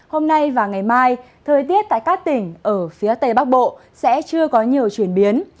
hôm nay và ngày mai thời tiết tại các tỉnh ở phía tây bắc bộ sẽ chưa có nhiều chuyển biến